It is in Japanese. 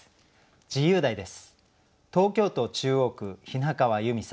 自由題です。